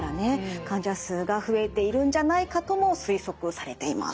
患者数が増えているんじゃないかとも推測されています。